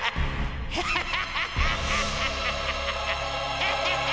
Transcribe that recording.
ハハハハ！